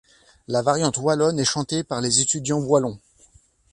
La variante wallonne est chantée par les étudiants wallons.